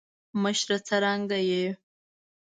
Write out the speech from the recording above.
مشره څرنګه یی.